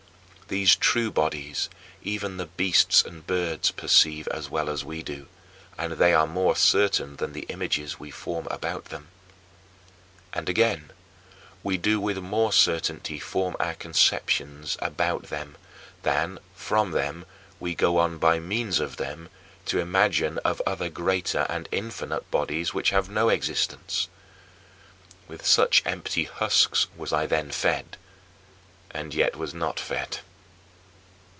These true bodies even the beasts and birds perceive as well as we do and they are more certain than the images we form about them. And again, we do with more certainty form our conceptions about them than, from them, we go on by means of them to imagine of other greater and infinite bodies which have no existence. With such empty husks was I then fed, and yet was not fed.